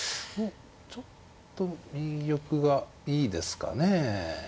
ちょっと右玉がいいですかね。